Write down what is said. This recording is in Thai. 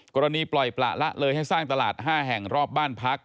ปล่อยประละเลยให้สร้างตลาด๕แห่งรอบบ้านพัก